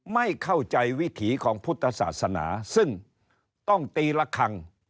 ไม่เข้าใจวิถีของพุทธศาสนาซึ่งต้องตีละครั้ง